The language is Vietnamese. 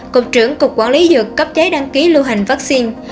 cục trưởng cục quản lý dược cấp giấy đăng ký lưu hành vaccine